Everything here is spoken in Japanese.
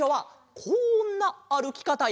こんなあるきかたで。